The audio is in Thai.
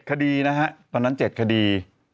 คดีนะฮะตอนนั้น๗คดี